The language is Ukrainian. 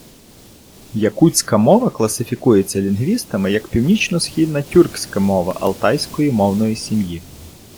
Якутська мова класифікується лінгвістами як північно-східна тюркська мова алтайської мовної сім'ї.